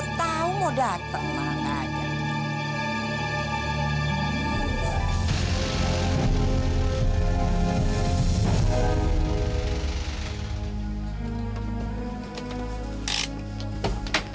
kemana sih kadarrah udah tau mau dateng malah gak ada